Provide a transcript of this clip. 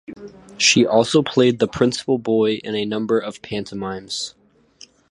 She also played the principal boy in a number of pantomimes.